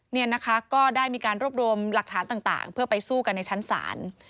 เนี่ยนะคะก็ได้มีการรวบรวมหลักฐานต่างเพื่อไปสู้กันในชั้นศาล